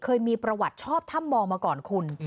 เคยมีประวัติชอบถ้ำมองมาก่อนคุณ